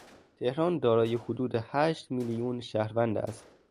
تهران دارای حدود هشت میلیون شهروند است.